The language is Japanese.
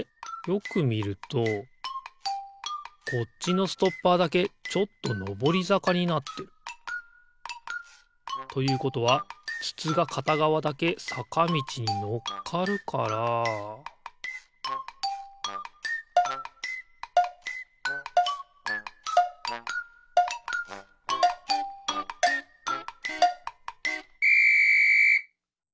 よくみるとこっちのストッパーだけちょっとのぼりざかになってる。ということはつつがかたがわだけさかみちにのっかるからピッ！